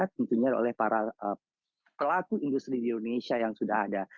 tentunya oleh para pelaku industri di indonesia yang sudah ada